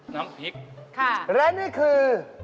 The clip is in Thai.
น้ำพริกและนี่คือ